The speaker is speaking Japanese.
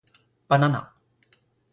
ばなな